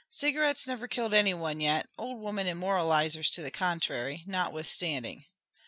Cigarettes never killed any one yet, old women and moralizers to the contrary, notwithstanding.